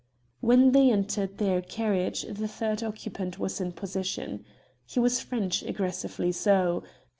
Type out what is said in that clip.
When they entered their carriage the third occupant was in possession. He was French, aggressively so.